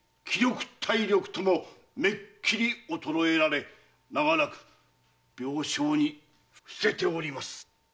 体力ともめっきり衰えられ長らく病床に臥せております。